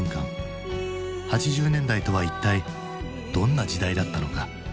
８０年代とは一体どんな時代だったのか？